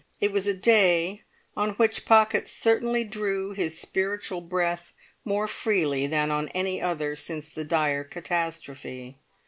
It was a day on which Pocket certainly drew his spiritual breath more freely than on any other since the dire catastrophe.